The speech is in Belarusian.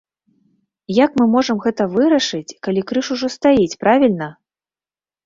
Як мы можам гэта вырашаць, калі крыж ужо стаіць, правільна?